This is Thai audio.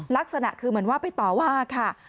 ลักษณะคือเหมือนว่าไปต่อว่าค่ะ